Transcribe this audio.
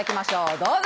どうぞ。